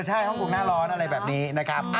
ใช่ห้องโกงหน้าร้อนอะไรแบบนี้